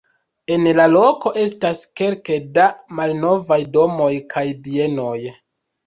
En la loko estas kelke da malnovaj domoj kaj bienoj.